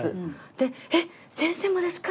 で「えっ先生もですか？」